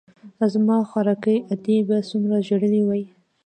زما خواركۍ ادې به څومره ژړلي وي.